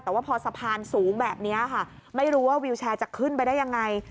แต่ว่าพอสะพานสูงแบบนี้ค่ะไม่รู้ว่าวิวแชร์จะขึ้นไปได้ยังไง